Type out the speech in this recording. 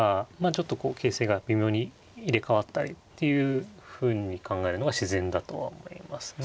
ちょっとこう形勢が微妙に入れ代わったりっていうふうに考えるのが自然だとは思いますね。